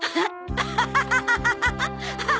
アハハハハ！